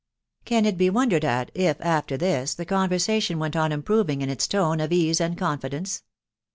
Can it be wondered at if, after this, the conversation went on improving in its tone of ease and confidence